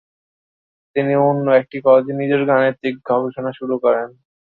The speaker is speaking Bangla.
তিনি অন্য একটি কলেজে নিজের গাণিতিক গবেষণা শুরু করেন।